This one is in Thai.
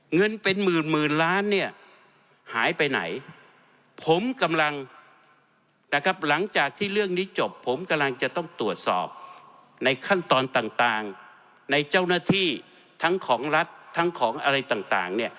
เงินเป็นหมื่นหมื่นล้านเนี่ยหายไปไหนผมกำลังนะครับหลังจากที่เรื่องนี้จบผมกำลังจะต้องตรวจสอบในขั้นตอนต่างในเจ้าหน้าที่ทั้งของรัฐทั้งของอะไรต่างเนี่ย